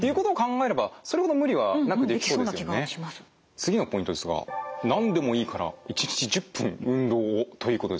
次のポイントですが「何でもいいから１日１０分運動を」ということですね？